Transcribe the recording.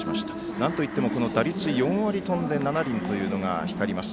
なんといっても打率４割７厘というのが光ります。